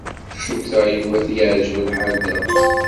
Cukkteɣ Yuba ad t-yeɛjeb lḥal da.